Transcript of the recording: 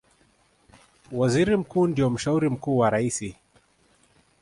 Waziri Mkuu ndiye mshauri mkuu wa Raisi